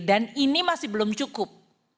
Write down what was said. dan ini masih belum cukup